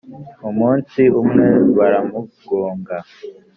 umunsi umwe baramugonga